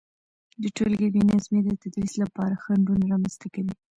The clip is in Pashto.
د تولګي بي نظمي د تدريس لپاره خنډونه رامنځته کوي،